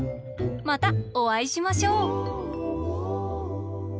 またおあいしましょう！